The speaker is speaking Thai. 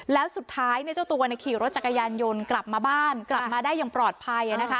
แล้วสุดท้ายเจ้าตัวขี่รถจักรยานยนต์กลับมาบ้านกลับมาได้อย่างปลอดภัย